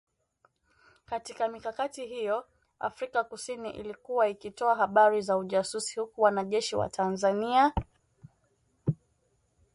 Katika mikakati hiyo, Afrika kusini ilikuwa ikitoa habari za ujasusi huku wanajeshi wa Tanzania